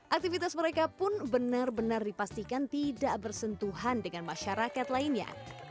aktivitas mereka pun benar benar dipastikan tidak bersentuhan dengan masyarakat lainnya